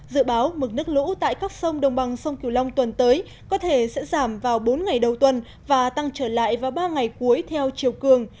dự báo mực nước lũ tại các sông đồng bằng sông kiều long tuần tới có thể sẽ giảm vào bốn ngày đầu tuần và tăng trở lại vào ba ngày cuối theo chiều cường